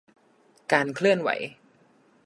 การเคลื่อนไหว